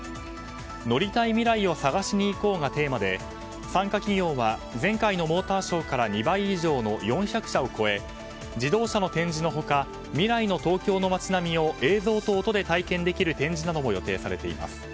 「乗りたい未来を探しにいこう！」がテーマで参加企業は前回のモーターショーから２倍以上の４００社を超え自動車の展示の他未来の東京の街並みを映像と音で体験できる展示なども予定されています。